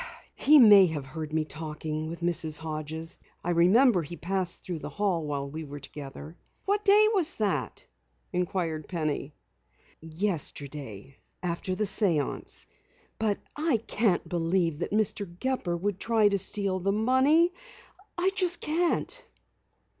"He may have heard me talking with Mrs. Hodges. I remember he passed through the hall while we were together." "What day was that?" inquired Penny. "Yesterday. After the séance. But I can't believe that Mr. Gepper would try to steal the money. I just can't!"